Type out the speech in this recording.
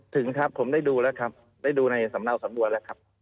ถึงครับผมได้ดูแล้วครับได้ดูในสำเนาสำนวนแล้วครับ